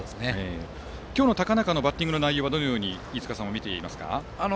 今日の高中のバッティングはどのように飯塚さんは見ていますか？